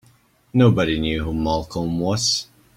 Nobody knew who Malcolm was.